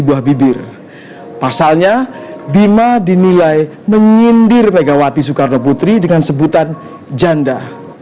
buah bibir pasalnya bima dinilai menyindir megawati soekarno putri dengan sebutan janda